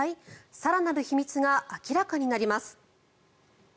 更なる秘密が明らかになります。